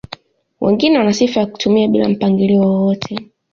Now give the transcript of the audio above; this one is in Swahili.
Wengine wana sifa ya kutumia bila mpangilio wowote